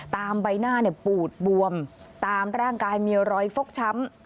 ใบหน้าปูดบวมตามร่างกายมีรอยฟกช้ำ